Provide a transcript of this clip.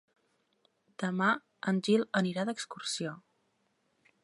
Demà en Gil anirà d'excursió.